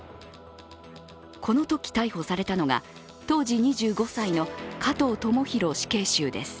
このとき逮捕されたのが当時２５歳の加藤智大死刑囚です。